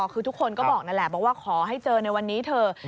คือทุกคนก็บอกนั่นแหละบอกว่าขอให้เจอในวันนี้เถอะ